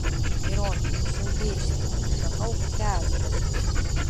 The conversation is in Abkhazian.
Мирон, усымбеижьҭеи, шаҟа угәхьаазгаз…